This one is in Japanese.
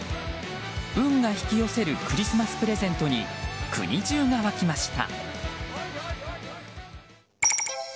運が引き寄せるクリスマスプレゼントに国中が沸きました。